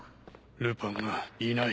ルパンがいない。